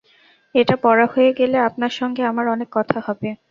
এটা পড়া হয়ে গেলে আপনার সঙ্গে আমার অনেক কথা হবে।